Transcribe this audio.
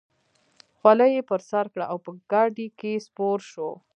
خولۍ یې پر سر کړه او په ګاډۍ کې سپور شو.